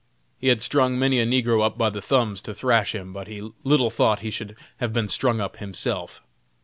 He had strung many a negro up by the thumbs to thrash him, but he little thought he should have been strung up himself.